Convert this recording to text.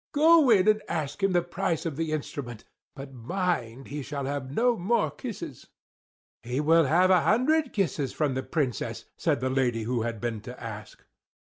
Go in and ask him the price of the instrument; but mind, he shall have no more kisses!" "He will have a hundred kisses from the Princess!" said the lady who had been to ask.